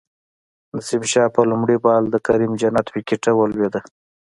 د نسیم شاه په لومړی بال د کریم جنت وکټه ولویده